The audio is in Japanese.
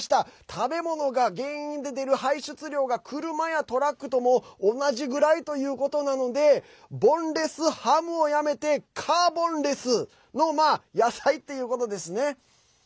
食べ物が原因で出る排出量が車やトラックと同じぐらいということなのでボンレスハムをやめてカーボンレスのまあ野菜っていうことですね。